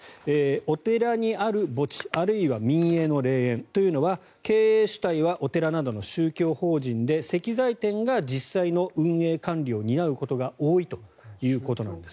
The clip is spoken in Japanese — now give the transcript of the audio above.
お寺にある墓地あるいは民営の霊園というのは経営主体はお寺などの宗教法人で石材店が実際の運営管理を担うことが多いということです。